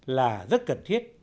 là rất cần thiết